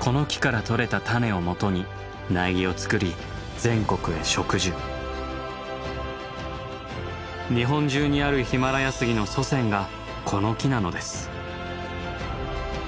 この木から取れた種をもとに苗木を作り日本中にあるヒマラヤスギの祖先がこの木なのです。